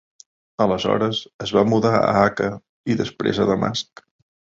Aleshores, es va mudar a Akka i després a Damasc.